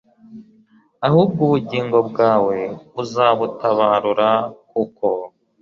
ahubwo ubugingo bwawe uzabutabarura kuko